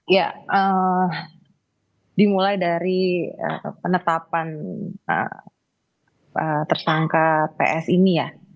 ya dimulai dari penetapan tersangka ps ini ya